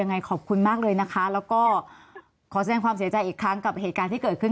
ยังไงขอบคุณมากเลยนะคะแล้วก็ขอแสดงความเสียใจอีกครั้งกับเหตุการณ์ที่เกิดขึ้น